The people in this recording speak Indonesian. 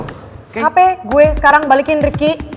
hp gue sekarang balikin rifki